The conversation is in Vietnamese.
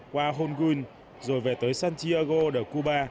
qua hongun rồi về tới santiago de cuba